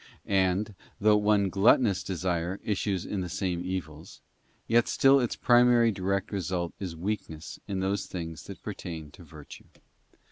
And, though one gluttonous desire issues in the same evils, yet still its primary direct result is weakness in those things that pertain to virtue.